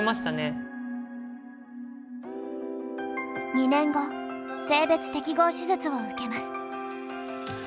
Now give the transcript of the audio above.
２年後性別適合手術を受けます。